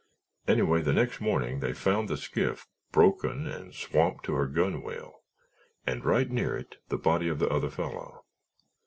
Anyway, the next morning, they found the skiff broken and swamped to her gunwale and right near it the body of the other fellow.